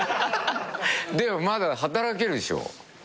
でもまだ働けるでしょ？